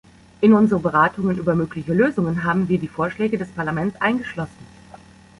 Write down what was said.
In unsere Beratungen über mögliche Lösungen haben wir die Vorschläge des Parlaments eingeschlossen.